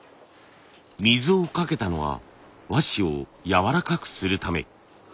水をかけたのは和紙をやわらかくするため。